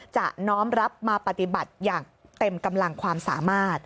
น้อมรับมาปฏิบัติอย่างเต็มกำลังความสามารถ